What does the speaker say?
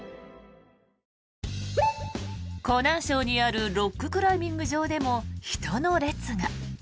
湖南省にあるロッククライミング場でも人の列が。